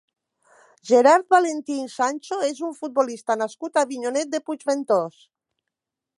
Gerard Valentín Sancho és un futbolista nascut a Avinyonet de Puigventós.